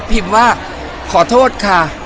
พิมพ์ว่าขอโทษค่ะ